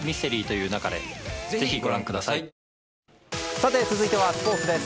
さて、続いてはスポーツです。